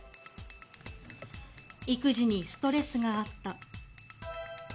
育児にストレスがあった。